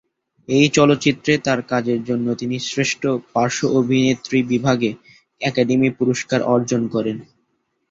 এই চলচ্চিত্রে তার কাজের জন্য তিনি শ্রেষ্ঠ পার্শ্ব অভিনেত্রী বিভাগে একাডেমি পুরস্কার অর্জন করেন।